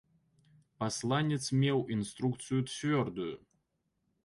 Пасланец меў інструкцыю цвёрдую.